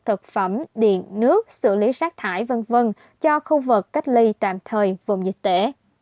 thực phẩm điện nước xử lý rác thải v v cho khu vực cách ly tạm thời vùng dịch tễ